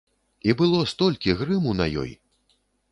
І было столькі грыму на ёй!